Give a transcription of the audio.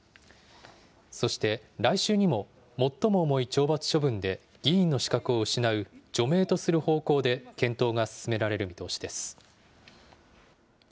そして、来週にも最も重い懲罰処分で、議員の資格を失う除名とする方向で、検討が進められる見通しです。